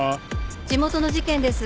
地元の事件です。